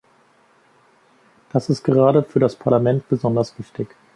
Das ist gerade für das Parlament besonders wichtig.